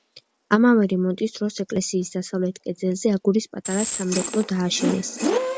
ამავე რემონტის დროს, ეკლესიის დასავლეთ კედელზე აგურის, პატარა სამრეკლო დააშენეს.